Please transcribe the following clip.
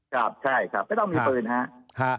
ครับใช่ครับไม่ต้องมีปืนนะครับ